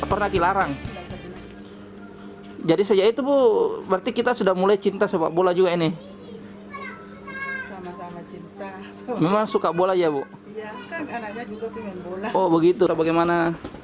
oh begitu bagaimana